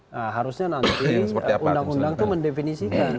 nah harusnya nanti undang undang itu mendefinisikan